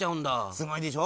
すごいでしょ。